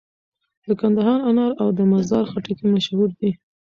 د کندهار انار او د مزار خټکي مشهور دي.